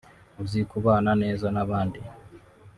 uzi kubana neza n’abandi